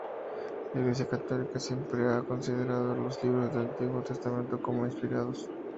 La Iglesia católica siempre ha considerado los libros del Antiguo Testamento como inspirados.